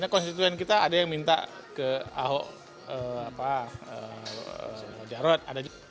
konstituen kita ada yang minta ke aho jarod